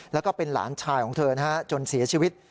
แล้วก็เป็นหลานชายของเธอจนเสียชีวิต